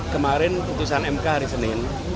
kemarin putusan mk hari senin